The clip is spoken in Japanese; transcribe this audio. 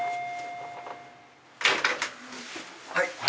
はい。